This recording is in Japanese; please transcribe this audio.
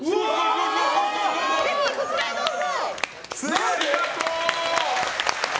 ぜひこちらへどうぞ。